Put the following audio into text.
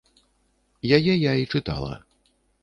Яе я і чытала.